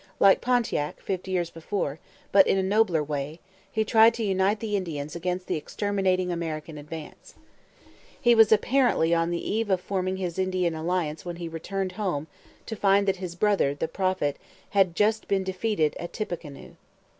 Like Pontiac, fifty years before, but in a nobler way, he tried to unite the Indians against the exterminating American advance. He was apparently on the eve of forming his Indian alliance when he returned home to find that his brother the Prophet had just been defeated at Tippecanoe.